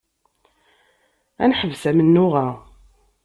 Ad neḥbes amennuɣ-a.